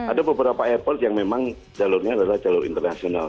ada beberapa airport yang memang jalurnya adalah jalur internasional